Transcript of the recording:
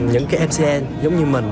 những cái mcn giống như mình